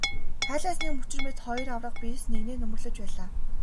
Хайлаасны мөчир мэт хоёр аварга биес нэгнээ нөмөрлөж байлаа.